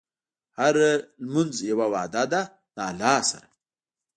هره لمونځ یوه وعده ده د الله سره.